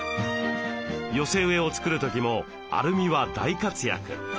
寄せ植えを作る時もアルミは大活躍。